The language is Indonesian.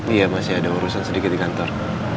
iya masih ada urusan sedikit di kantor